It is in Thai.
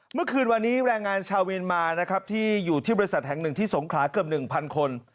เมื่อคืนวันนี้แรงงานชาวเมียนมานะครับที่อยู่ที่บริษัทแห่งหนึ่งที่สงขลาเกือบ๑๐๐คน